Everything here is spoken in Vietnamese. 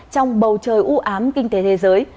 trong bầu trời ưu ám kinh tế thế giới